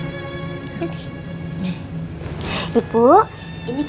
ibu ini kiki bawain sup ayam untuk ibu